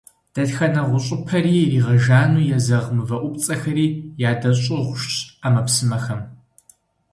Дэтхэнэ гъущӀыпэри иригъэжану езэгъ мывэупцӀэхэри ядэщӀыгъужщ Ӏэмэпсымэхэм.